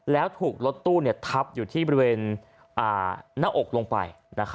แล้วถูกรถตู้ทับอยู่ที่บริเวณหน้าอกลงไป